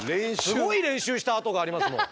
すごい練習したあとがありますもん。